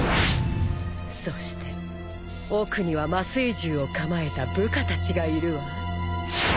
そして奥には麻酔銃を構えた部下たちがいるわ。